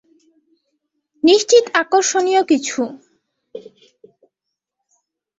নিশ্চিত আকর্ষণীয় কিছু।